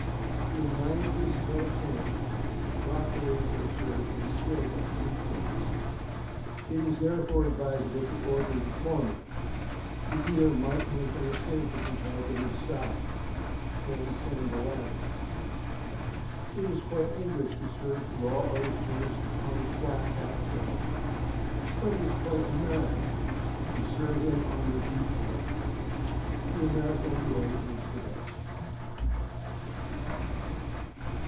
In nine cases are out of ten, Rockaways are served instead of the Blue Points. It is therefore advisable to order the former; the dealer might make a mistake if he had them in stock, and send the latter. It is quite English to serve raw oysters on the flat half shell, but it is quite American to serve them on the deep shell. The American way is the best.